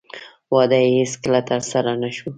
واده یې هېڅکله ترسره نه شو.